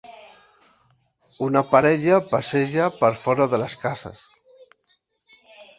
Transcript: una parella passeja per fora de les cases